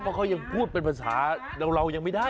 เพราะเขายังพูดเป็นภาษาเรายังไม่ได้